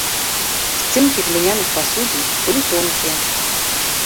Сценкі гліняных пасудзін былі тонкія.